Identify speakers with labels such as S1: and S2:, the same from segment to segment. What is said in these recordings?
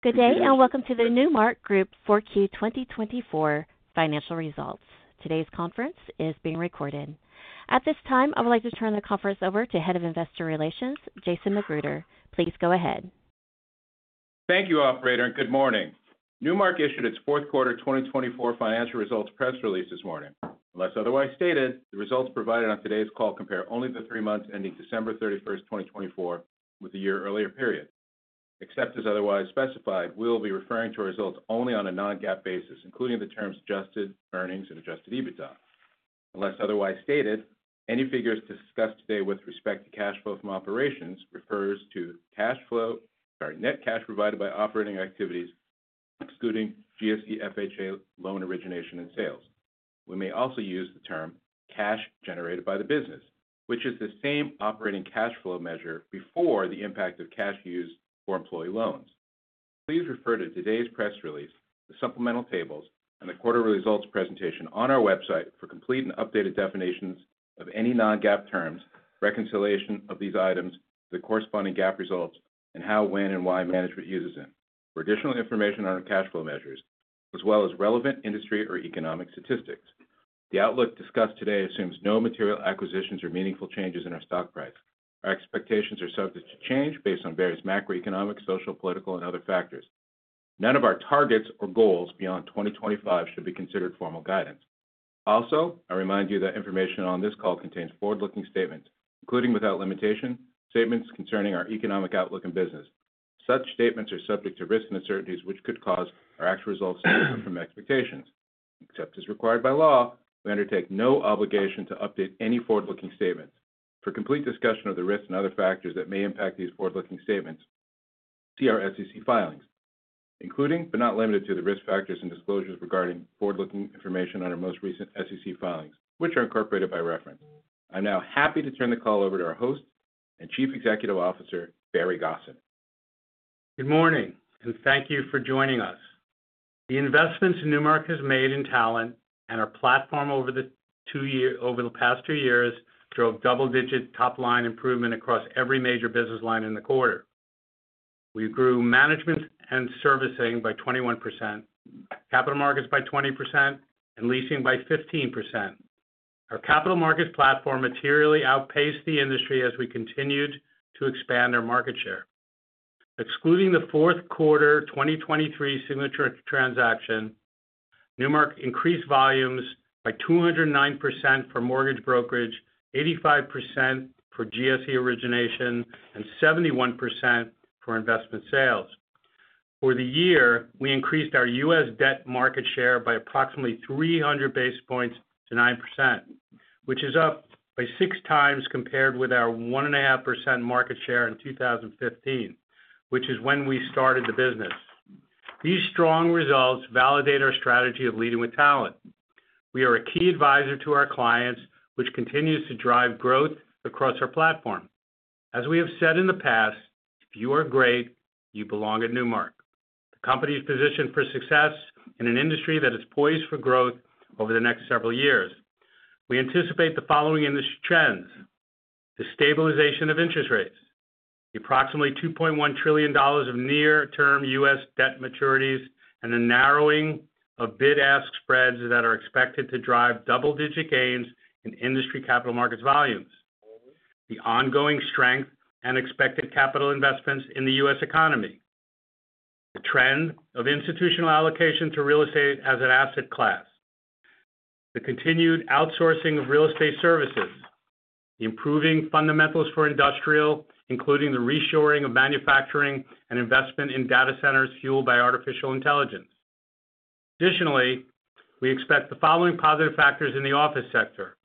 S1: Good day, and welcome to the Newmark Group 4Q 2024 financial results. Today's conference is being recorded. At this time, I would like to turn the conference over to Head of Investor Relations, Jason McGruder. Please go ahead.
S2: Thank you, Operator, and good morning. Newmark issued its fourth quarter 2024 financial results press release this morning. Unless otherwise stated, the results provided on today's call compare only the three months ending December 31, 2024, with the year earlier period. Except as otherwise specified, we will be referring to our results only on a non-GAAP basis, including the terms adjusted earnings and adjusted EBITDA. Unless otherwise stated, any figures discussed today with respect to cash flow from operations refers to cash flow, sorry, net cash provided by operating activities, excluding GSE and FHA loan origination and sales. We may also use the term cash generated by the business, which is the same operating cash flow measure before the impact of cash used for employee loans. Please refer to today's press release, the supplemental tables, and the quarterly results presentation on our website for complete and updated definitions of any non-GAAP terms, reconciliation of these items, the corresponding GAAP results, and how, when, and why management uses them, for additional information on our cash flow measures, as well as relevant industry or economic statistics. The outlook discussed today assumes no material acquisitions or meaningful changes in our stock price. Our expectations are subject to change based on various macroeconomic, social, political, and other factors. None of our targets or goals beyond 2025 should be considered formal guidance. Also, I remind you that information on this call contains forward-looking statements, including without limitation, statements concerning our economic outlook and business. Such statements are subject to risk and uncertainties which could cause our actual results to deviate from expectations. Except as required by law, we undertake no obligation to update any forward-looking statements. For complete discussion of the risks and other factors that may impact these forward-looking statements, see our SEC filings, including but not limited to the risk factors and disclosures regarding forward-looking information on our most recent SEC filings, which are incorporated by reference. I'm now happy to turn the call over to our host and Chief Executive Officer, Barry Gosin.
S3: Good morning, and thank you for joining us. The investments Newmark has made in talent and our platform over the past two years drove double-digit top-line improvement across every major business line in the quarter. We grew management and servicing by 21%, capital markets by 20%, and leasing by 15%. Our capital markets platform materially outpaced the industry as we continued to expand our market share. Excluding the fourth quarter 2023 Signature transaction, Newmark increased volumes by 209% for mortgage brokerage, 85% for GSE origination, and 71% for investment sales. For the year, we increased our U.S. debt market share by approximately 300 basis points to 9%, which is up by six times compared with our 1.5% market share in 2015, which is when we started the business. These strong results validate our strategy of leading with talent. We are a key advisor to our clients, which continues to drive growth across our platform. As we have said in the past, if you are great, you belong at Newmark, the company's position for success in an industry that is poised for growth over the next several years. We anticipate the following industry trends: the stabilization of interest rates, the approximately $2.1 trillion of near-term U.S. debt maturities, and the narrowing of bid-ask spreads that are expected to drive double-digit gains in industry capital markets volumes. The ongoing strength and expected capital investments in the U.S. economy. The trend of institutional allocation to real estate as an asset class. The continued outsourcing of real estate services. The improving fundamentals for industrial, including the reshoring of manufacturing and investment in data centers fueled by artificial intelligence. Additionally, we expect the following positive factors in the office sector: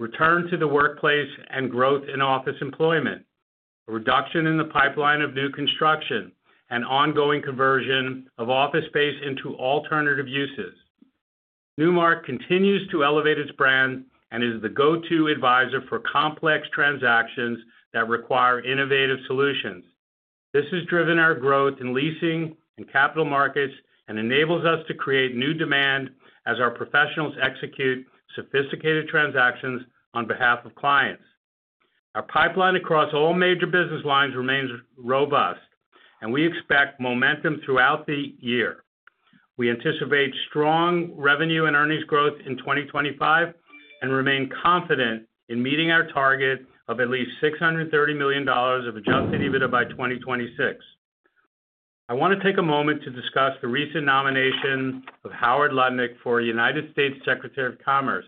S3: return to the workplace and growth in office employment, a reduction in the pipeline of new construction, and ongoing conversion of office space into alternative uses. Newmark continues to elevate its brand and is the go-to advisor for complex transactions that require innovative solutions. This has driven our growth in leasing and capital markets and enables us to create new demand as our professionals execute sophisticated transactions on behalf of clients. Our pipeline across all major business lines remains robust, and we expect momentum throughout the year. We anticipate strong revenue and earnings growth in 2025 and remain confident in meeting our target of at least $630 million of adjusted EBITDA by 2026. I want to take a moment to discuss the recent nomination of Howard Lutnick for United States Secretary of Commerce.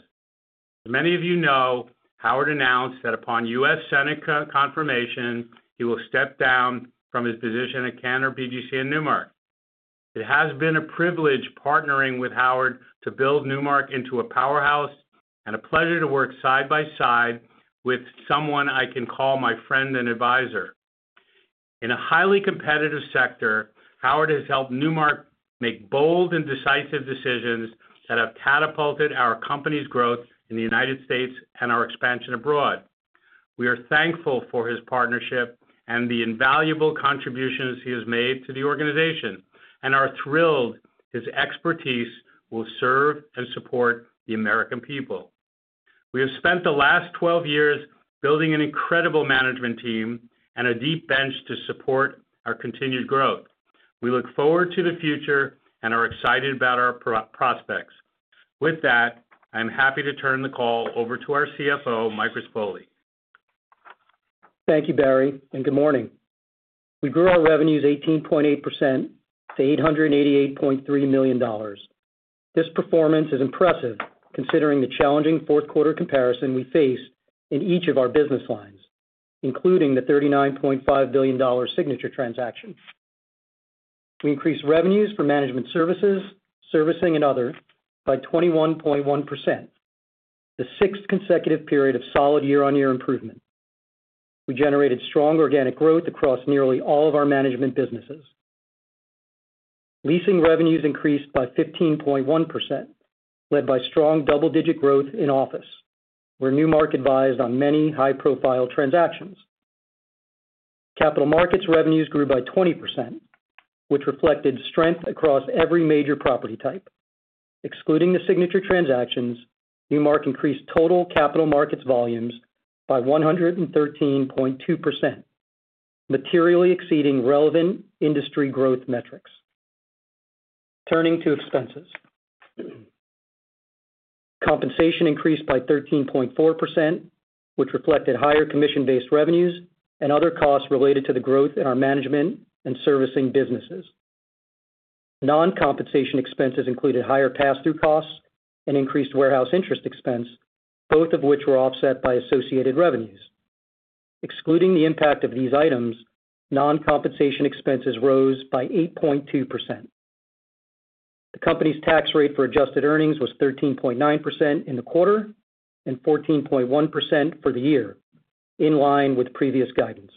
S3: As many of you know, Howard announced that upon U.S. Senate confirmation, he will step down from his position at Cantor, BGC and Newmark. It has been a privilege partnering with Howard to build Newmark into a powerhouse and a pleasure to work side by side with someone I can call my friend and advisor. In a highly competitive sector, Howard has helped Newmark make bold and decisive decisions that have catapulted our company's growth in the United States and our expansion abroad. We are thankful for his partnership and the invaluable contributions he has made to the organization and are thrilled his expertise will serve and support the American people. We have spent the last 12 years building an incredible management team and a deep bench to support our continued growth. We look forward to the future and are excited about our prospects. With that, I am happy to turn the call over to our CFO, Michael Rispoli.
S4: Thank you, Barry, and good morning. We grew our revenues 18.8% to $888.3 million. This performance is impressive considering the challenging fourth quarter comparison we faced in each of our business lines, including the $39.5 billion Signature transaction. We increased revenues for management services, servicing, and others by 21.1%, the sixth consecutive period of solid year-on-year improvement. We generated strong organic growth across nearly all of our management businesses. Leasing revenues increased by 15.1%, led by strong double-digit growth in office, where Newmark advised on many high-profile transactions. Capital markets revenues grew by 20%, which reflected strength across every major property type. Excluding the Signature transactions, Newmark increased total capital markets volumes by 113.2%, materially exceeding relevant industry growth metrics. Turning to expenses, compensation increased by 13.4%, which reflected higher commission-based revenues and other costs related to the growth in our management and servicing businesses. Non-compensation expenses included higher pass-through costs and increased warehouse interest expense, both of which were offset by associated revenues. Excluding the impact of these items, non-compensation expenses rose by 8.2%. The company's tax rate for adjusted earnings was 13.9% in the quarter and 14.1% for the year, in line with previous guidance.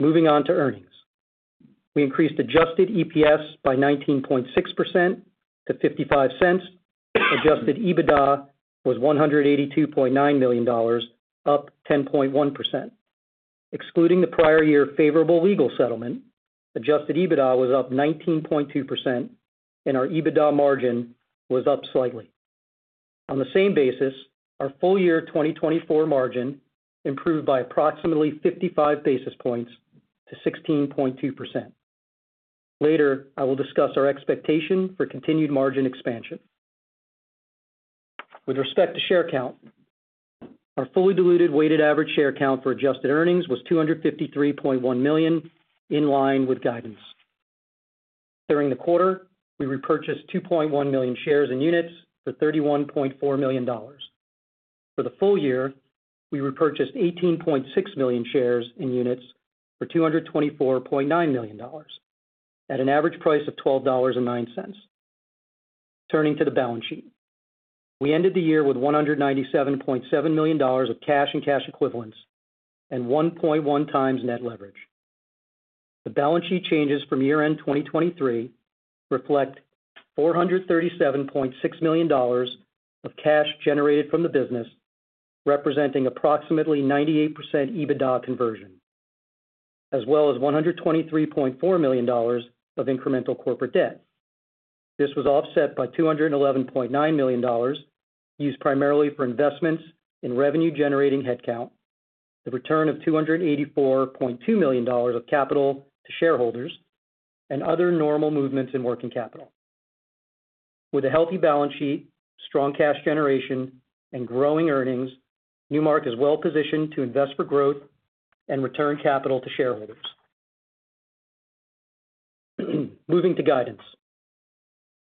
S4: Moving on to earnings, we increased adjusted EPS by 19.6% to $0.55. Adjusted EBITDA was $182.9 million, up 10.1%. Excluding the prior year favorable legal settlement, adjusted EBITDA was up 19.2%, and our EBITDA margin was up slightly. On the same basis, our full year 2024 margin improved by approximately 55 basis points to 16.2%. Later, I will discuss our expectation for continued margin expansion. With respect to share count, our fully diluted weighted average share count for adjusted earnings was 253.1 million, in line with guidance. During the quarter, we repurchased 2.1 million shares and units for $31.4 million. For the full year, we repurchased 18.6 million shares and units for $224.9 million, at an average price of $12.09. Turning to the balance sheet, we ended the year with $197.7 million of cash and cash equivalents and 1.1 times net leverage. The balance sheet changes from year-end 2023 reflect $437.6 million of cash generated from the business, representing approximately 98% EBITDA conversion, as well as $123.4 million of incremental corporate debt. This was offset by $211.9 million, used primarily for investments in revenue-generating headcount, the return of $284.2 million of capital to shareholders, and other normal movements in working capital. With a healthy balance sheet, strong cash generation, and growing earnings, Newmark is well-positioned to invest for growth and return capital to shareholders. Moving to guidance,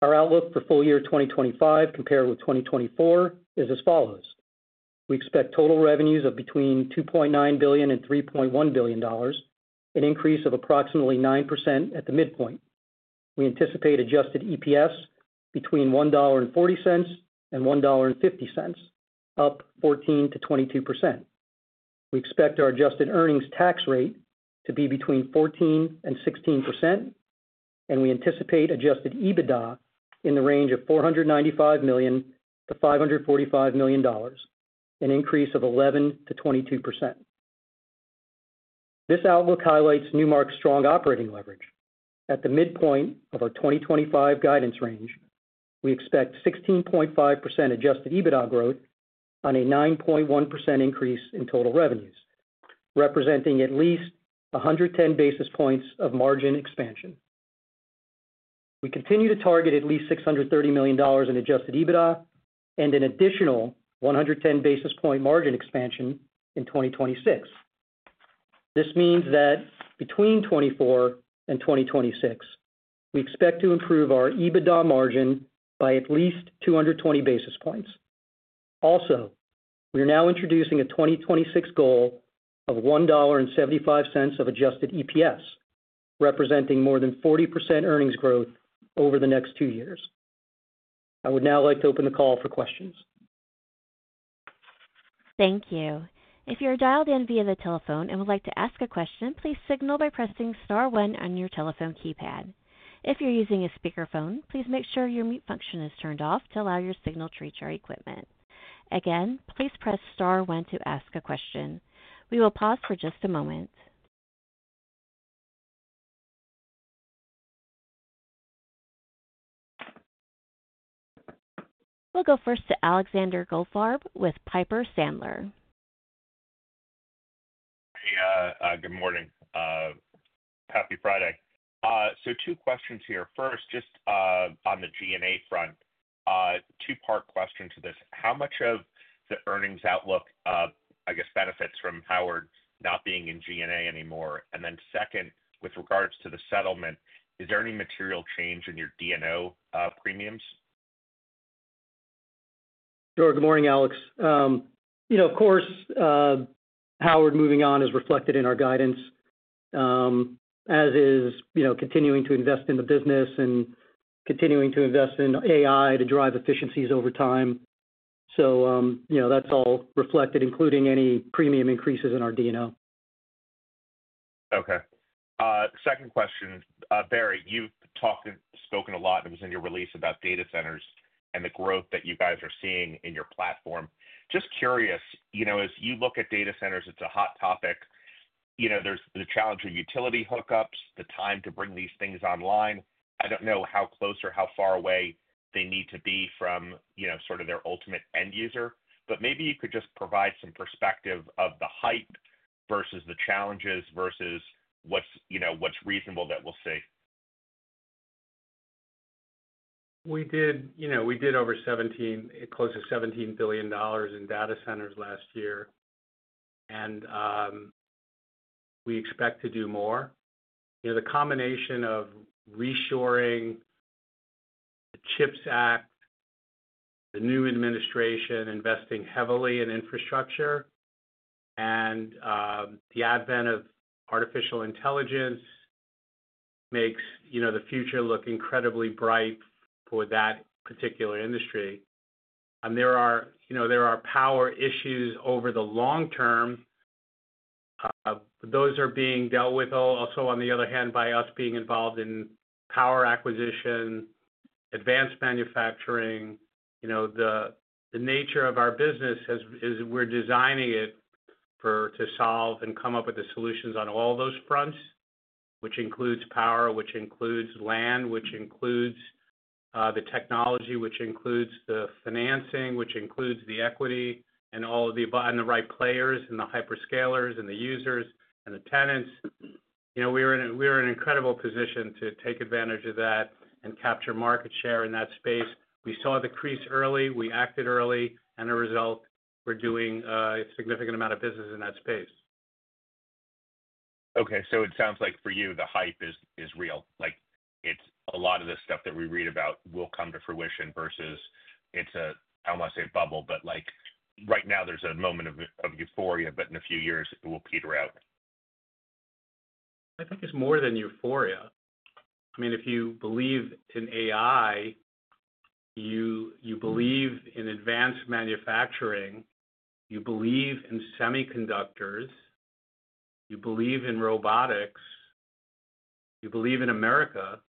S4: our outlook for full year 2025 compared with 2024 is as follows. We expect total revenues of between $2.9 billion and $3.1 billion, an increase of approximately 9% at the midpoint. We anticipate adjusted EPS between $1.40 and $1.50, up 14% to 22%. We expect our adjusted earnings tax rate to be between 14% and 16%, and we anticipate adjusted EBITDA in the range of $495 million to $545 million, an increase of 11% to 22%. This outlook highlights Newmark's strong operating leverage. At the midpoint of our 2025 guidance range, we expect 16.5% adjusted EBITDA growth on a 9.1% increase in total revenues, representing at least 110 basis points of margin expansion. We continue to target at least $630 million in adjusted EBITDA and an additional 110 basis point margin expansion in 2026. This means that between 2024 and 2026, we expect to improve our EBITDA margin by at least 220 basis points. Also, we are now introducing a 2026 goal of $1.75 of adjusted EPS, representing more than 40% earnings growth over the next two years. I would now like to open the call for questions.
S1: Thank you. If you're dialed in via the telephone and would like to ask a question, please signal by pressing star one on your telephone keypad. If you're using a speakerphone, please make sure your mute function is turned off to allow your signal to reach our equipment. Again, please press star one to ask a question. We will pause for just a moment. We'll go first to Alexander Goldfarb with Piper Sandler.
S5: Hey, good morning. Happy Friday. So two questions here. First, just on the G&A front, two-part question to this. How much of the earnings outlook, I guess, benefits from Howard not being in G&A anymore? And then second, with regards to the settlement, is there any material change in your D&O premiums?
S4: Sure. Good morning, Alex. Of course, Howard moving on is reflected in our guidance, as is continuing to invest in the business and continuing to invest in AI to drive efficiencies over time. So that's all reflected, including any premium increases in our D&O.
S5: Okay. Second question, Barry. You've spoken a lot and it was in your release about data centers and the growth that you guys are seeing in your platform. Just curious, as you look at data centers, it's a hot topic. There's the challenge of utility hookups, the time to bring these things online. I don't know how close or how far away they need to be from sort of their ultimate end user, but maybe you could just provide some perspective of the hype versus the challenges versus what's reasonable that we'll see.
S3: We did over $17 billion, close to $17 billion in data centers last year, and we expect to do more. The combination of reshoring, the CHIPS Act, the new administration investing heavily in infrastructure, and the advent of artificial intelligence makes the future look incredibly bright for that particular industry. There are power issues over the long term. Those are being dealt with also, on the other hand, by us being involved in power acquisition, advanced manufacturing. The nature of our business is we're designing it to solve and come up with the solutions on all those fronts, which includes power, which includes land, which includes the technology, which includes the financing, which includes the equity, and all of the right players and the hyperscalers and the users and the tenants. We're in an incredible position to take advantage of that and capture market share in that space. We saw the crease early. We acted early, and as a result, we're doing a significant amount of business in that space.
S5: Okay. So it sounds like for you, the hype is real. A lot of the stuff that we read about will come to fruition versus it's a, I don't want to say bubble, but right now there's a moment of euphoria, but in a few years, it will peter out.
S3: I think it's more than euphoria. I mean, if you believe in AI, you believe in advanced manufacturing, you believe in semiconductors, you believe in robotics, you believe in America,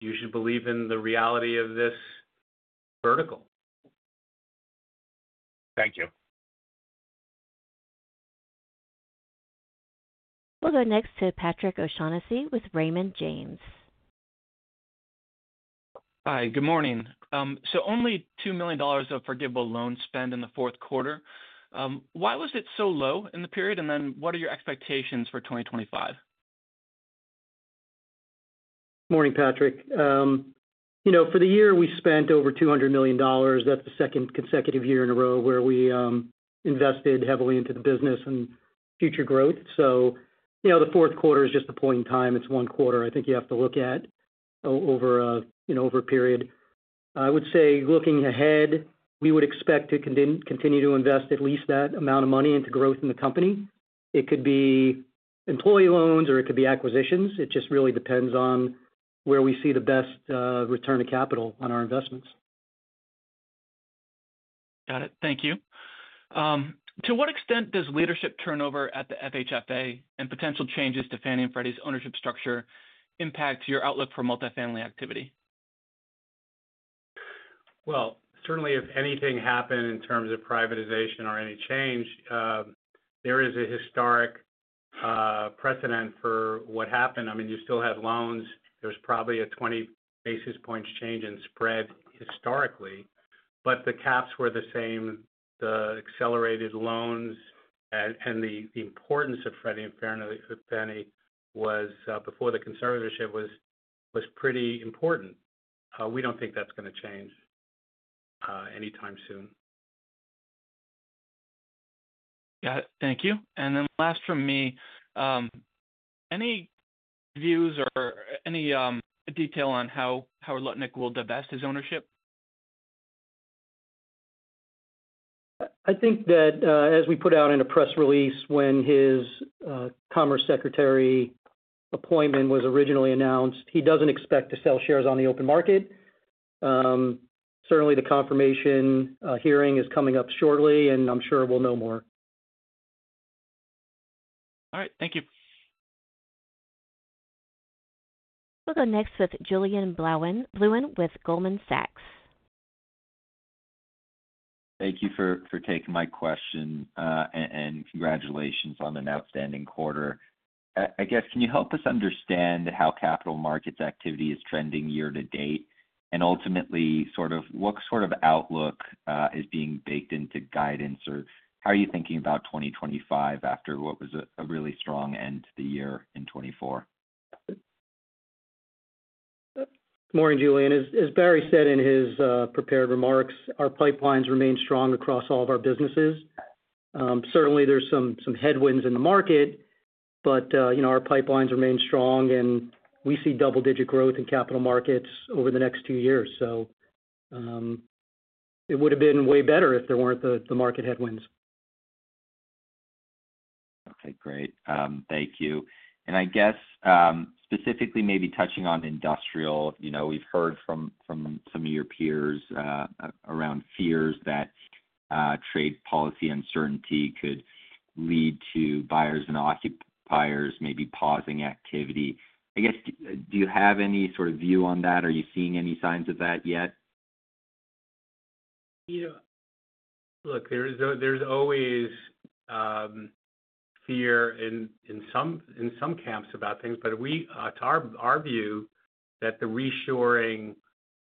S3: you should believe in the reality of this vertical.
S5: Thank you.
S1: We'll go next to Patrick O'Shaughnessy with Raymond James.
S6: Hi. Good morning, so only $2 million of forgivable loan spent in the fourth quarter. Why was it so low in the period, and then what are your expectations for 2025?
S4: Morning, Patrick. For the year, we spent over $200 million. That's the second consecutive year in a row where we invested heavily into the business and future growth. So the fourth quarter is just a point in time. It's one quarter, I think, you have to look at over a period. I would say looking ahead, we would expect to continue to invest at least that amount of money into growth in the company. It could be employee loans, or it could be acquisitions. It just really depends on where we see the best return of capital on our investments.
S6: Got it. Thank you. To what extent does leadership turnover at the FHFA and potential changes to Fannie and Freddie's ownership structure impact your outlook for multifamily activity?
S3: Certainly, if anything happened in terms of privatization or any change, there is a historic precedent for what happened. I mean, you still have loans. There was probably a 20 basis points change in spread historically, but the caps were the same. The accelerated loans and the importance of Freddie and Fannie was before the conservatorship was pretty important. We don't think that's going to change anytime soon.
S6: Got it. Thank you. And then last from me, any views or any detail on how Howard Lutnick will divest his ownership?
S4: I think that as we put out in a press release when his commerce secretary appointment was originally announced, he doesn't expect to sell shares on the open market. Certainly, the confirmation hearing is coming up shortly, and I'm sure we'll know more.
S6: All right. Thank you.
S1: We'll go next with Julien Blouin with Goldman Sachs.
S7: Thank you for taking my question, and congratulations on an outstanding quarter. I guess, can you help us understand how capital markets activity is trending year to date? And ultimately, sort of what sort of outlook is being baked into guidance, or how are you thinking about 2025 after what was a really strong end to the year in 2024?
S4: Morning, Julien. As Barry said in his prepared remarks, our pipelines remain strong across all of our businesses. Certainly, there's some headwinds in the market, but our pipelines remain strong, and we see double-digit growth in capital markets over the next two years. So it would have been way better if there weren't the market headwinds.
S7: Okay. Great. Thank you. And I guess, specifically, maybe touching on industrial, we've heard from some of your peers around fears that trade policy uncertainty could lead to buyers and occupiers maybe pausing activity. I guess, do you have any sort of view on that? Are you seeing any signs of that yet?
S3: Look, there's always fear in some camps about things, but our view that the reshoring,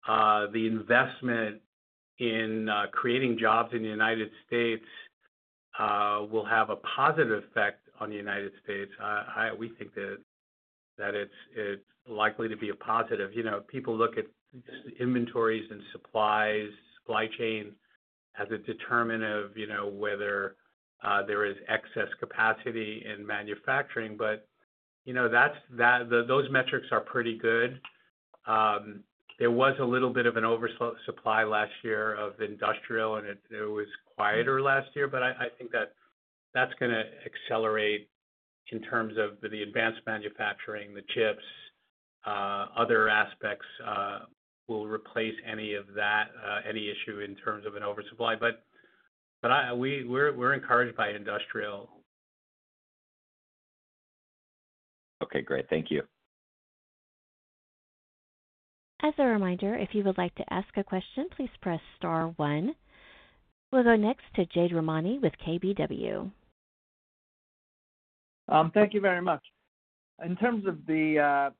S3: the investment in creating jobs in the United States will have a positive effect on the United States. We think that it's likely to be a positive. People look at inventories and supplies, supply chain as a determinant of whether there is excess capacity in manufacturing, but those metrics are pretty good. There was a little bit of an oversupply last year of industrial, and it was quieter last year, but I think that that's going to accelerate in terms of the advanced manufacturing, the chips, other aspects will replace any issue in terms of an oversupply. But we're encouraged by industrial.
S7: Okay. Great. Thank you.
S1: As a reminder, if you would like to ask a question, please press star one. We'll go next to Jade Rahmani with KBW.
S8: Thank you very much. In terms of the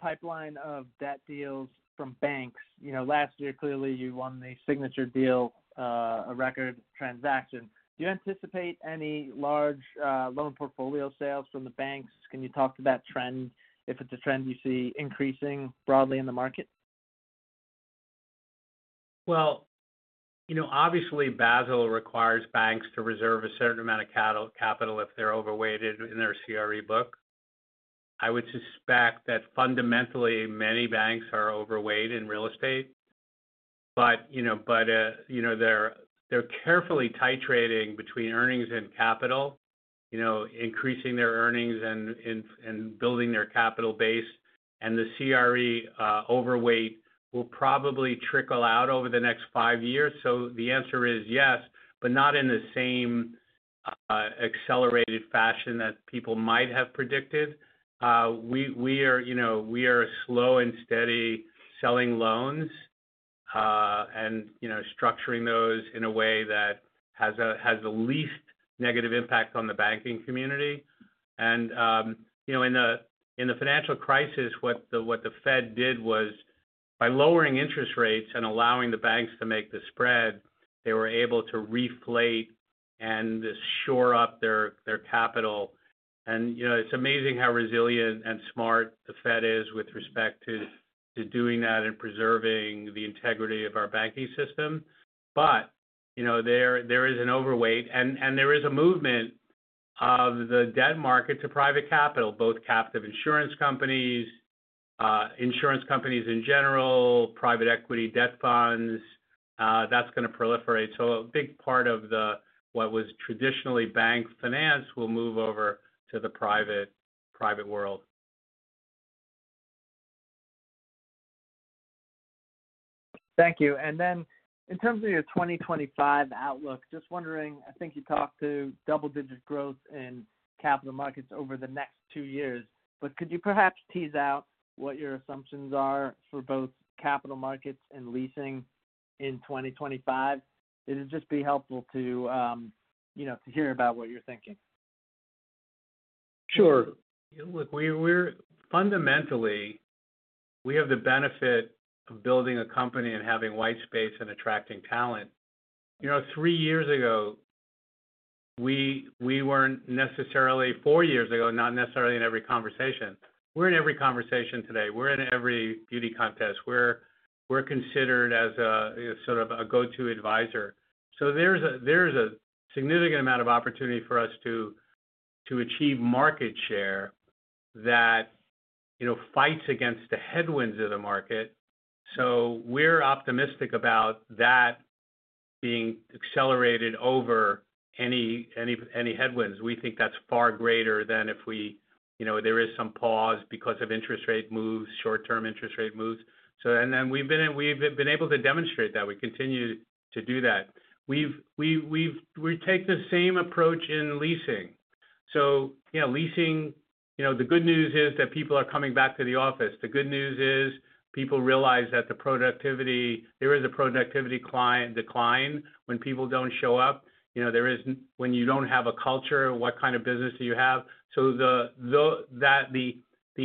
S8: pipeline of debt deals from banks, last year, clearly, you won the signature deal, a record transaction. Do you anticipate any large loan portfolio sales from the banks? Can you talk to that trend, if it's a trend you see increasing broadly in the market?
S3: Obviously, Basel requires banks to reserve a certain amount of capital if they're overweighted in their CRE book. I would suspect that fundamentally, many banks are overweight in real estate, but they're carefully titrating between earnings and capital, increasing their earnings and building their capital base. The CRE overweight will probably trickle out over the next five years. The answer is yes, but not in the same accelerated fashion that people might have predicted. We are slow and steady selling loans and structuring those in a way that has the least negative impact on the banking community. In the financial crisis, what the Fed did was by lowering interest rates and allowing the banks to make the spread, they were able to reflate and shore up their capital. It's amazing how resilient and smart the Fed is with respect to doing that and preserving the integrity of our banking system. There is an overweight, and there is a movement of the debt market to private capital, both captive insurance companies, insurance companies in general, private equity debt funds. That's going to proliferate. A big part of what was traditionally bank finance will move over to the private world.
S8: Thank you. And then in terms of your 2025 outlook, just wondering, I think you talked to double-digit growth in capital markets over the next two years, but could you perhaps tease out what your assumptions are for both capital markets and leasing in 2025? It'd just be helpful to hear about what you're thinking.
S3: Sure. Look, fundamentally, we have the benefit of building a company and having white space and attracting talent. Three years ago, we weren't necessarily. Four years ago, not necessarily in every conversation. We're in every conversation today. We're in every beauty contest. We're considered as sort of a go-to advisor. So there's a significant amount of opportunity for us to achieve market share that fights against the headwinds of the market. So we're optimistic about that being accelerated over any headwinds. We think that's far greater than if there is some pause because of interest rate moves, short-term interest rate moves. And then we've been able to demonstrate that. We continue to do that. We take the same approach in leasing. So leasing, the good news is that people are coming back to the office. The good news is people realize that there is a productivity decline when people don't show up. When you don't have a culture, what kind of business do you have? So the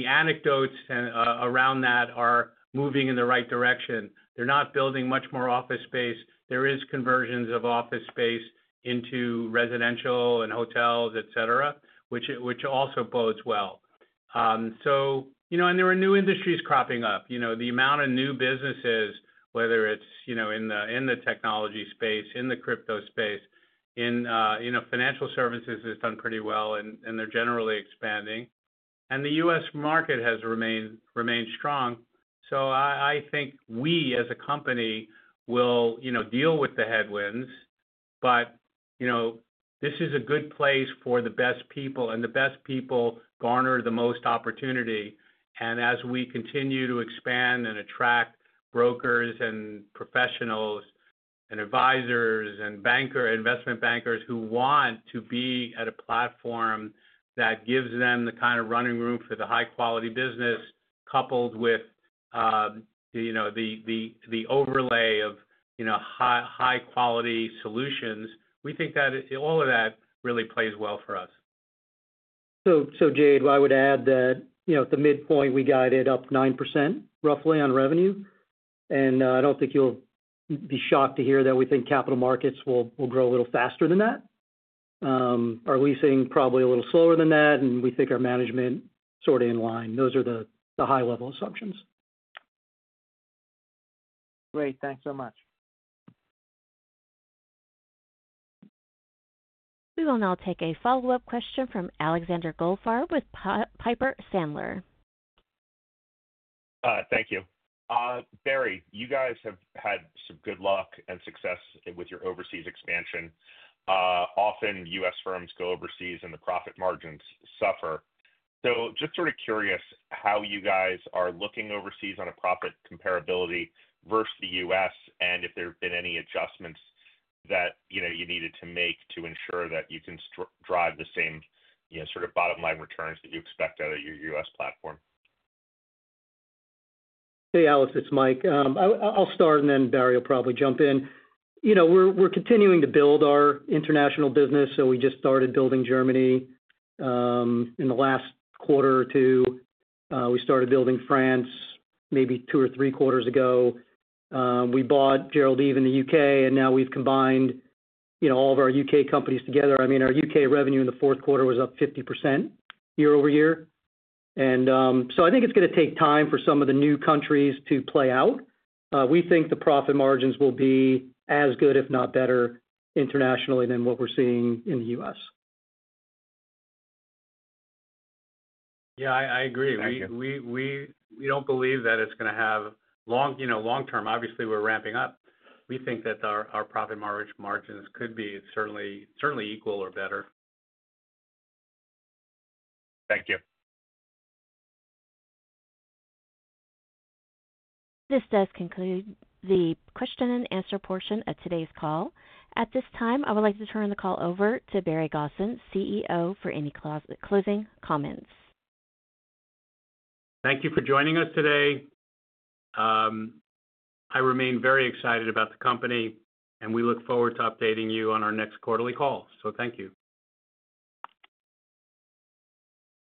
S3: anecdotes around that are moving in the right direction. They're not building much more office space. There are conversions of office space into residential and hotels, etc., which also bodes well. And there are new industries cropping up. The amount of new businesses, whether it's in the technology space, in the crypto space, in financial services, has done pretty well, and they're generally expanding. And the U.S. market has remained strong. So I think we, as a company, will deal with the headwinds, but this is a good place for the best people, and the best people garner the most opportunity. As we continue to expand and attract brokers and professionals and advisors and investment bankers who want to be at a platform that gives them the kind of running room for the high-quality business, coupled with the overlay of high-quality solutions, we think that all of that really plays well for us.
S4: So Jade, I would add that at the midpoint, we guided up 9% roughly on revenue. And I don't think you'll be shocked to hear that we think capital markets will grow a little faster than that. Our leasing probably a little slower than that, and we think our management is sort of in line. Those are the high-level assumptions.
S8: Great. Thanks so much.
S1: We will now take a follow-up question from Alexander Goldfarb with Piper Sandler.
S5: Thank you. Barry, you guys have had some good luck and success with your overseas expansion. Often, U.S. firms go overseas, and the profit margins suffer. So just sort of curious how you guys are looking overseas on a profit comparability versus the U.S. and if there have been any adjustments that you needed to make to ensure that you can drive the same sort of bottom-line returns that you expect out of your U.S. platform?
S4: Hey, Alex, it's Mike. I'll start, and then Barry will probably jump in. We're continuing to build our international business, so we just started building Germany in the last quarter or two. We started building France maybe two or three quarters ago. We bought Gerald Eve in the U.K., and now we've combined all of our U.K. companies together. I mean, our U.K. revenue in the fourth quarter was up 50% year over year, and so I think it's going to take time for some of the new countries to play out. We think the profit margins will be as good, if not better, internationally than what we're seeing in the U.S.
S3: Yeah, I agree. We don't believe that it's going to have long-term. Obviously, we're ramping up. We think that our profit margins could be certainly equal or better.
S5: Thank you.
S1: This does conclude the question-and-answer portion of today's call. At this time, I would like to turn the call over to Barry Gosin, CEO, for any closing comments.
S3: Thank you for joining us today. I remain very excited about the company, and we look forward to updating you on our next quarterly call. So thank you.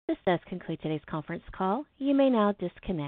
S1: This does conclude today's conference call. You may now disconnect.